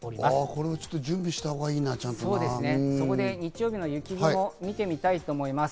これは準備したほうがいいな、そこで日曜日の雪雲を見てみたいと思います。